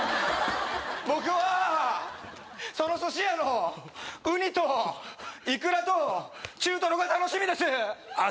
僕はそのすし屋のウニとイクラと中トロが楽しみですあっ